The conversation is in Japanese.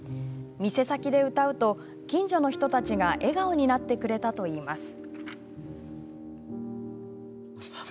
店先で歌うと近所の人たちが笑顔になってくれたといいます。